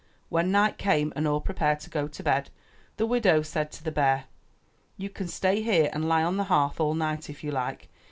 When night came and all prepared to go to bed, the widow said to the bear: "You can stay here and lie on the hearth all night if you like.